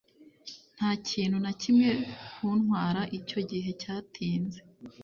nta kintu na kimwe 'kuntwara icyo gihe cyatinze.